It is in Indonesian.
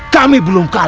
kami belum kalah